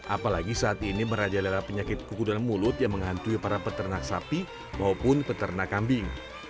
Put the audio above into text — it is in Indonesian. apalagi saat ini merajalela penyakit kuku dalam mulut yang menghantui para peternak sapi maupun peternak kambing